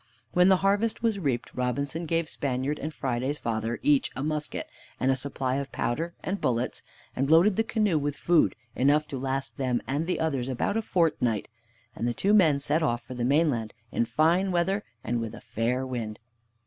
When the harvest was reaped, Robinson gave the Spaniard and Friday's father each a musket and a supply of powder and bullets, and loaded the canoe with food, enough to last them and the others about a fortnight, and the two men set off for the mainland in fine weather, and with a fair wind.